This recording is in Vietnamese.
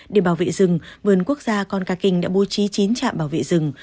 để bảo vệ rừng vườn quốc gia con ca kinh đã bố trí chín trạm bảo vệ rừng